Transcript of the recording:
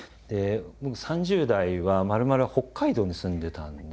僕３０代はまるまる北海道に住んでたんですね。